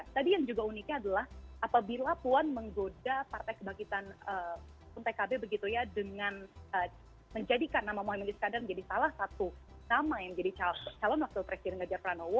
tadi yang juga uniknya adalah apabila puan menggoda partai kebangkitan pkb begitu ya dengan menjadikan nama muhammad iskandar menjadi salah satu nama yang menjadi calon wakil presiden gajar pranowo